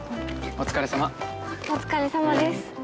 お疲れさまです。